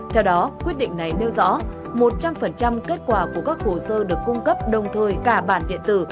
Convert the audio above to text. theo đó quyết định này nêu rõ một trăm linh kết quả của các hồ sơ được cung cấp đồng thời cả bản điện tử